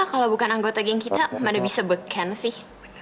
kalau bukan anggota geng kita mana bisa beken sih